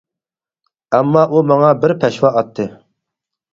ئەمما ئۇ ماڭا بىر پەشۋا ئاتتى.